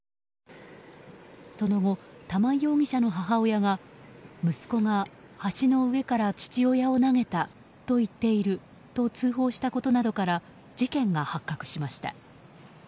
その後、玉井容疑者の母親が息子が橋の上から父親を投げたと言っていると通報したことなどから事件が発覚しました。